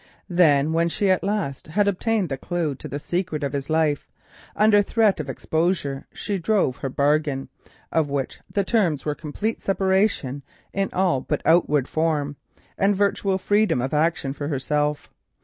Then when she at last had obtained the clue to the secret of his life, under threat of exposure she drove her bargain, of which the terms were complete separation in all but outward form, and virtual freedom of action for herself.